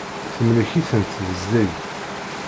Temlek-itent tezdeg.